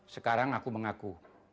sekarang aku mengaku